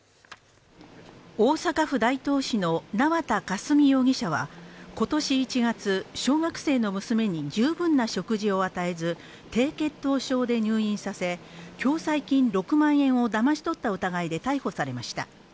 大阪府大東市の縄田佳純容疑者は今年１月、小学生の娘に十分な食事を与えず低血糖症で入院させ、共済金６万円をだまし取った疑いで逮捕されました。